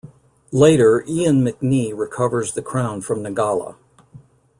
Later, Ian McNee recovers the crown from Nagala.